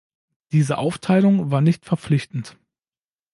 Diese Aufteilung war nicht verpflichtend.